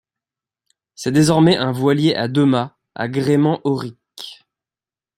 C'est désormais un voilier à deux-mâts à gréement aurique.